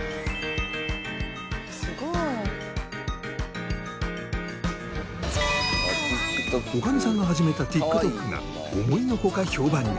すごい。女将さんが始めたＴｉｋＴｏｋが思いのほか評判に。